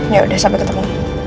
yaudah sampai ketemu